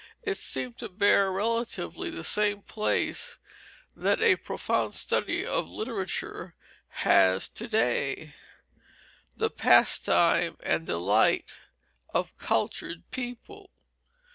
It seemed to bear relatively the same place that a profound study of literature has to day the pastime and delight of cultured people.